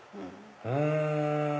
うん。